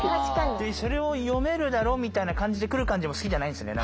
それを読めるだろみたいな感じで来る感じも好きじゃないんですよね